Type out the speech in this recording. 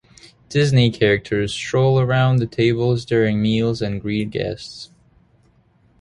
Disney characters stroll around the tables during meals and greet guests.